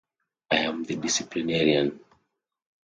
I'm the disciplinarian.